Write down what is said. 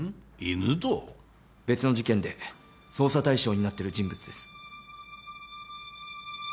別の事件で捜査対象になってる人物です。